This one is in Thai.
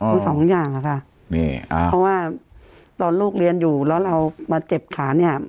ทั้งสองอย่างค่ะนี่อ่าเพราะว่าตอนลูกเรียนอยู่แล้วเรามาเจ็บขาเนี่ย